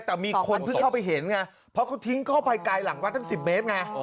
แต่มีคนเพิ่งเข้าไปเห็นไงเพราะเขาทิ้งเข้าไปไกลหลังวัดตั้ง๑๐เมตรไง